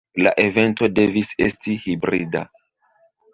La evento devis esti hibrida.